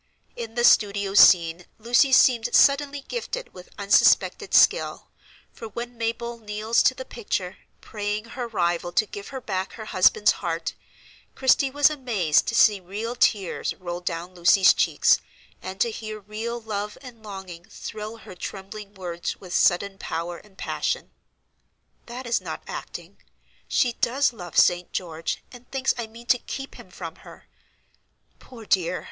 In the studio scene Lucy seemed suddenly gifted with unsuspected skill; for when Mabel kneels to the picture, praying her rival to give her back her husband's heart, Christie was amazed to see real tears roll down Lucy's cheeks, and to hear real love and longing thrill her trembling words with sudden power and passion. "That is not acting. She does love St. George, and thinks I mean to keep him from her. Poor dear!